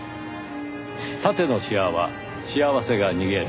「縦のシワは幸せが逃げる。